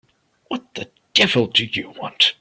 What the devil do you want?